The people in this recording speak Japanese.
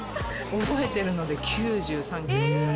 覚えてるので９３キロ。